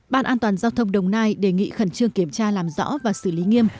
ban an toàn giao thông đồng nai đề nghị khẩn trương kiểm tra làm rõ và xử lý nghiêm